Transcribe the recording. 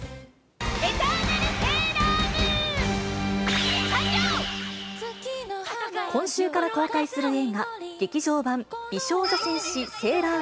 エターナルセーラームーン、今週から公開する映画、劇場版美少女戦士セーラー